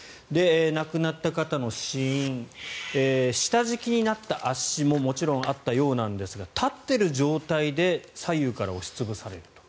亡くなった方の死因下敷きになった圧死ももちろんあったようなんですが立ってる状態で左右から押し潰されると。